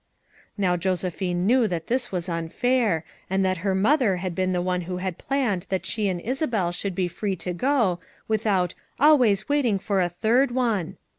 Now Josephine knew that this was unfair, and that her mother had been the one who had planned that she and Isabel should be free to go, without "always waiting for a third one."